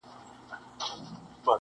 • دلته خلک په پردي آذان ویښیږي -